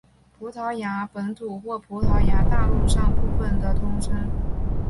葡萄牙本土或葡萄牙大陆上部分的通称。